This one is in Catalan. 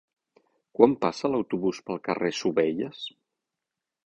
Quan passa l'autobús pel carrer Sovelles?